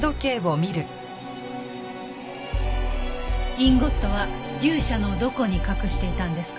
インゴットは牛舎のどこに隠していたんですか？